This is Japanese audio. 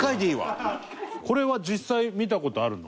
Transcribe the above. これは実際見た事あるの？